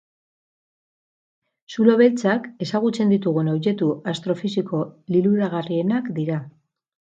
Zulo beltzak ezagutzen ditugun objektu astrofisiko liluragarrienak dira.